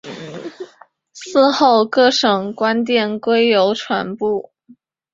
嗣后各省官电归邮传部。